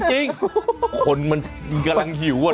จริงคนมันกำลังหิวอะ